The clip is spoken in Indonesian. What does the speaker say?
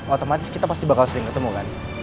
otomatis kita pasti bakal sering ketemu kan